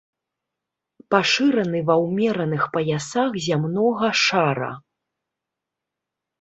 Пашыраны ва ўмераных паясах зямнога шара.